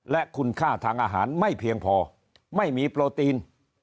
และคุณค่าทางอาหารไม่เพียงพอไม่มีโปรตีน